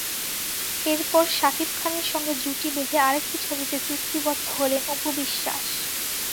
এরপর শাকিব খানের সঙ্গে জুটি বেঁধে আরেকটি ছবিতে চুক্তিবদ্ধ হলেন অপু বিশ্বাস।